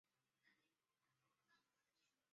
马卡罗尼企鹅的蛋质地粗糙并带有浅蓝色。